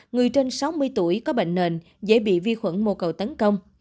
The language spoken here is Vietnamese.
người trên sáu mươi tuổi có bệnh nền dễ bị vi khuẩn mô cầu tấn công